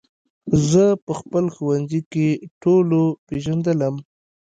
زه په خپل ښوونځي کې ټولو پېژندلم